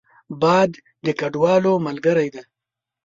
باد د کډوالو ملګری دی